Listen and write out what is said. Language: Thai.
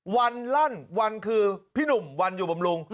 ลั่นวันคือพี่หนุ่มวันอยู่บำรุง